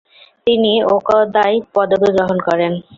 তিনি ওকদাই পদবী গ্রহণ করেন।